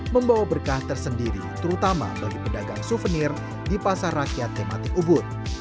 membawa berkah tersendiri terutama bagi pedagang souvenir di pasar rakyat tematik ubud